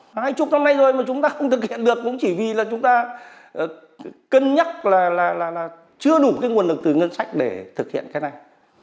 hai chục năm nay rồi mà chúng ta không thực hiện được cũng chỉ vì là chúng ta cân nhắc là chưa đủ cái nguồn lực từ ngân sách để thực hiện cái này